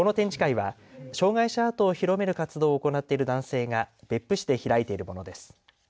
この展示会は障害者アートを広める活動を行っている男性が別府市で開いているものです。